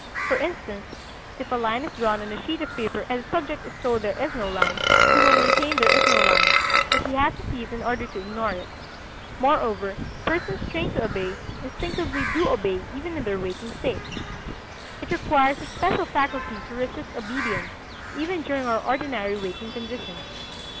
For instance, if a line is drawn on a sheet of paper and the subject is told there is no line, he will maintain there is no line; but he has to see it in order to ignore it. Moreover, persons trained to obey, instinctively do obey even in their waking state. It requires a special faculty to resist obedience, even during our ordinary waking condition.